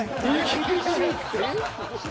厳しいって。